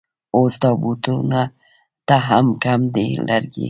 اوس تابوتونو ته هم کم دي لرګي